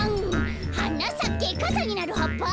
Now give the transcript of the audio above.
「はなさけかさになるはっぱ」